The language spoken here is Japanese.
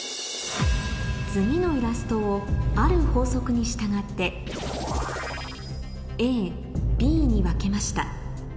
次のイラストをある法則に従ってＡＢに分けました